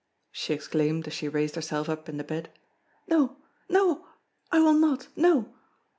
She exclaimed, as she raised herself up in the bed: "No no I will not no!"